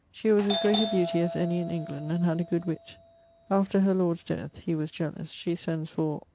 She was as great a beatie as any in England and had a good witt. After her lord's death (he was jealous) she sends for